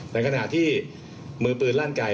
ในขณะที่มือปืนลั่นไก่